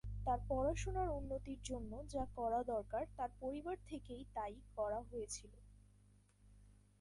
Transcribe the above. তার পড়াশোনার উন্নতির জন্য যা করা দরকার তার পরিবার থেকেই তাই করা হয়েছিল।